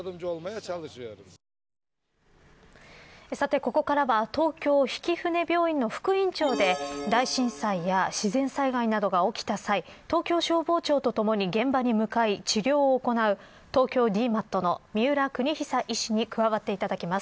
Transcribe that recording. ここからは東京曳舟病院の副院長で大震災や自然災害などが起きた際東京消防庁とともに現場に向かい治療を行う、東京ＤＭＡＴの三浦邦久医師に加わっていただきます。